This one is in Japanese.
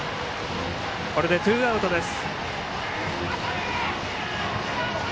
これでツーアウトです。